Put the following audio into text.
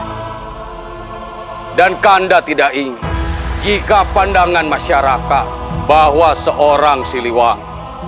hai dan kanda tidak ingin jika pandangan masyarakat bahwa seorang siliwang